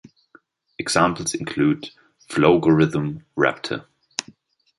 Examples include Flowgorithm, Raptor.